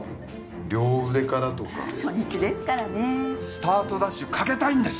両腕からとか初日ですからねスタートダッシュかけたいんです